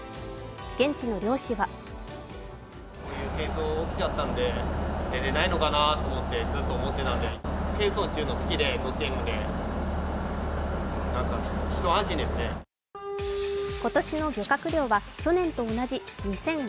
現地の漁師は今年の漁獲量は去年と同じ２０５０ｔ。